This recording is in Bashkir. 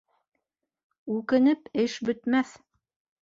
Үкенеп, эш бөтмәҫ.